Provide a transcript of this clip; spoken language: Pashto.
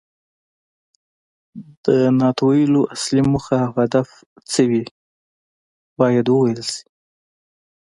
د نعت ویلو اصلي موخه او هدف څه وي باید وویل شي.